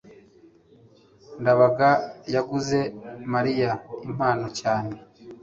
ndabaga yaguze mariya impano cyane